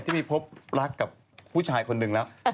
ที่ไปพบรักกับผู้ชายคนหนึ่งแล้ว